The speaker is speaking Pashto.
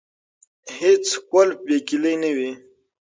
هیڅ قلف بې کیلي نه وي.